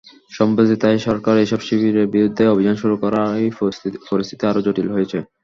সম্প্রতি থাই সরকার এসব শিবিরের বিরুদ্ধে অভিযান শুরু করায় পরিস্থিতি আরও জটিল হয়েছে।